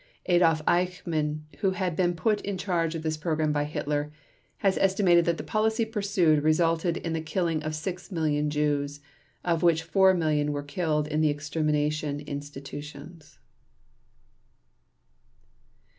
Adolf Eichmann, who had been put in charge of this program by Hitler, has estimated that the policy pursued resulted in the killing of 6 million Jews, of which 4 million were killed in the extermination institutions.